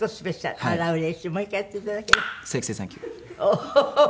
おお！